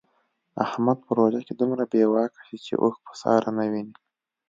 احمد په روژه کې دومره بې واکه شي چې اوښ په ساره نه ویني.